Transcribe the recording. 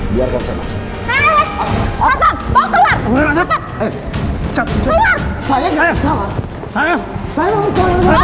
biarkan saya masuk